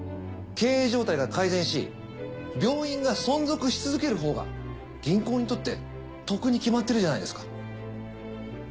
経営状態が改善し病院が存続し続けるほうが銀行にとって得に決まってるじゃないですか。